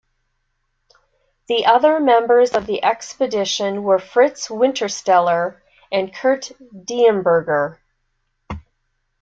The other members of the expedition were: Fritz Wintersteller and Kurt Diemberger.